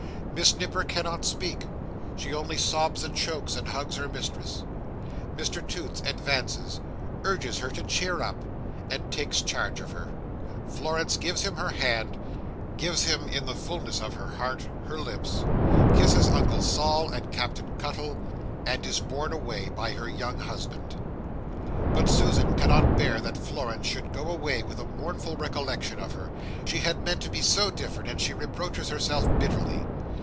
Miss Nipper cannot speak; she only sobs and chokes, and hugs her mistress. Mr Toots advances, urges her to cheer up, and takes charge of her. Florence gives him her hand—gives him, in the fulness of her heart, her lips—kisses Uncle Sol, and Captain Cuttle, and is borne away by her young husband. But Susan cannot bear that Florence should go away with a mournful recollection of her. She had meant to be so different, that she reproaches herself bitterly.